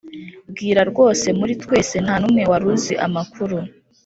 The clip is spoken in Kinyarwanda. mbwira rwose muri twese ntanumwe waruzi amakuru